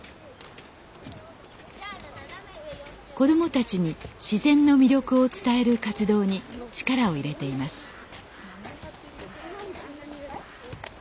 子供たちに自然の魅力を伝える活動に力を入れています